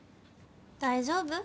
大丈夫？